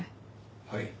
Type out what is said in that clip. はい。